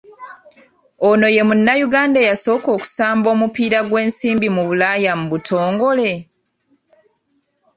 Ono ye Munnayuganda eyasooka okusamba omupiira gw’ensimbi mu Bulaaya mu butongole?